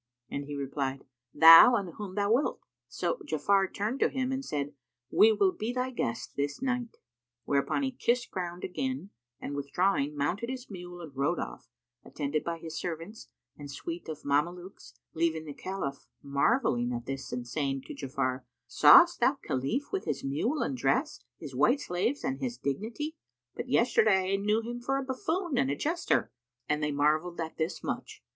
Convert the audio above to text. and he replied, "Thou and whom thou wilt." So Ja'afar turned to him and said, "We will be thy guests this night;" whereupon he kissed ground again and withdrawing, mounted his mule and rode off, attended by his servants and suite of Mamelukes leaving the Caliph marvelling at this and saying to Ja'afar, "Sawest thou Khalif, with his mule and dress, his white slaves and his dignity? But yesterday I knew him for a buffoon and a jester." And they marvelled at this much.